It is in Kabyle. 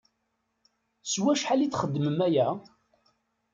S wacḥal i txeddmem aya?